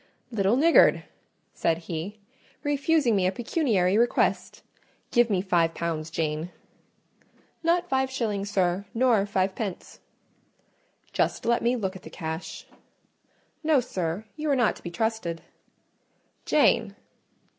"Little niggard!" said he, "refusing me a pecuniary request! Give me five pounds, Jane." "Not five shillings, sir; nor five pence." "Just let me look at the cash." "No, sir; you are not to be trusted." "Jane!"